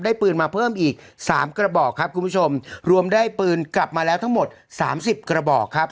ปืนมาเพิ่มอีกสามกระบอกครับคุณผู้ชมรวมได้ปืนกลับมาแล้วทั้งหมดสามสิบกระบอกครับ